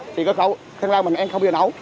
thì cơ khẩu thanh long mình em không bao giờ nấu